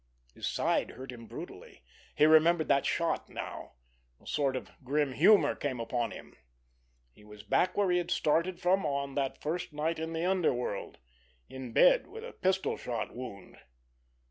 His side hurt him brutally. He remembered that shot now. A sort of grim humor came upon him. He was back where he had started from on that first night in the underworld—in bed with a pistol shot wound.